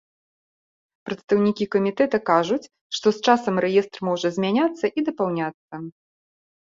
Прадстаўнікі камітэта кажуць, што з часам рэестр можа змяняцца і дапаўняцца.